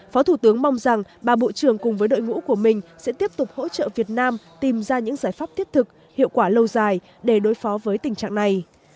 phó thủ tướng mong rằng ba bộ trưởng cùng với đội ngũ của mình sẽ tiếp tục hỗ trợ việt nam tìm ra những giải pháp thiết thực hiệu quả lâu dài để đối phó với tình trạng này